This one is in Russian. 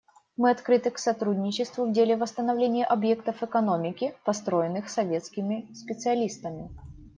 Мы открыты к сотрудничеству в деле восстановления объектов экономики, построенных советскими специалистами.